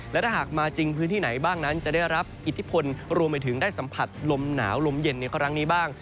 และถ้าหากมาจริงพื้นที่ไหนบ้างนั้นจะได้รับอิทธิพลรวมไปถึงได้สัมผัสลมหนาวลมเย็นในครั้งนี้บ้าง